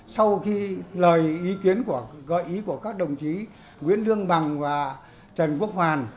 sau khi lời ý kiến của các đồng chí nguyễn đương bằng và trần quốc hoàn